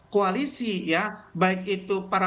koalisi ya baik itu para